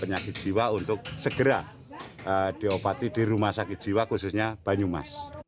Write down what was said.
penyakit jiwa untuk segera diobati di rumah sakit jiwa khususnya banyumas